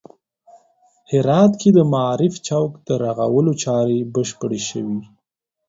هرات کې د معارف چوک د رغولو چارې بشپړې شوې